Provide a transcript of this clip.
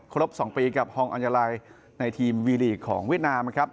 ครบ๒ปีกับฮองอัญญาลัยในทีมวีลีกของเวียดนามนะครับ